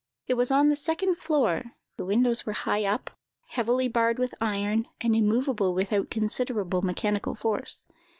It was on the second floor; the windows were high up, heavily barred with iron, and immovable without considerable mechanical force.